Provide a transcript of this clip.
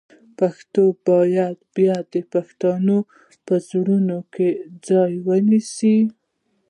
پښتو باید بیا د پښتنو په زړونو کې ځای ونیسي.